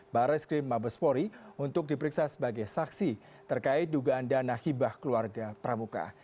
baris krim mabespori untuk diperiksa sebagai saksi terkait dugaan dana hibah keluarga pramuka